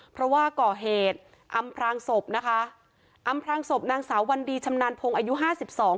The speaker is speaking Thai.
เพราะว่าก่อเหตุอำพลางศพนะคะอำพรางศพนางสาววันดีชำนาญพงศ์อายุห้าสิบสอง